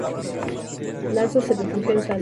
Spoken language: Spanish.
Lanza se refugió en Salta.